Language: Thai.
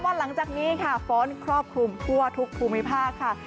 หลังจากนี้ค่ะฝนครอบคลุมทั่วทุกภูมิภาคค่ะ